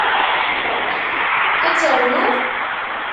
Ad ternu?